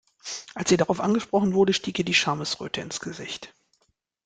Als sie darauf angesprochen wurde, stieg ihr die Schamesröte ins Gesicht.